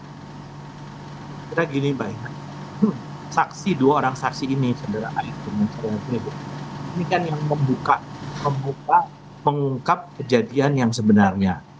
saya gini baik saksi dua orang saksi ini cedera itu kan yang membuka mengungkap kejadian yang sebenarnya